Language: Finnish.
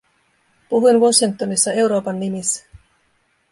Puhuin Washingtonissa Euroopan nimissä.